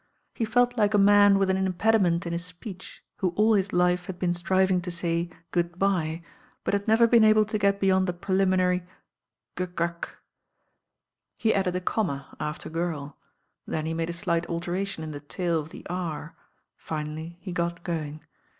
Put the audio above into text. He felt like a man with an impediment m his speech, who aU his life had been •trivmg to say "good4)ye"; but had never been able to get beyond the preliminary "gug gug." He added a comma after "Girl," then he made a •light alteration in the taU of the "R"; finaUy he got gomg.